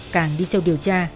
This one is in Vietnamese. càng đi sâu điều tra